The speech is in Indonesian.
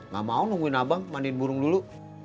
gak mau nungguin abang mandiin burung dulu